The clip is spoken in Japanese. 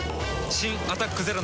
新「アタックＺＥＲＯ」